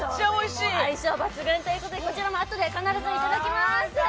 相性抜群ということで、こちらもあとで必ずいただきます。